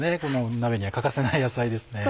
鍋には欠かせない野菜ですね。